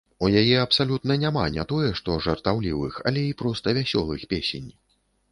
У яе абсалютна няма не тое што жартаўлівых, але і проста вясёлых песень.